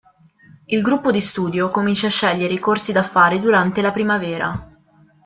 Il gruppo di studio comincia a scegliere i corsi da fare durante la primavera.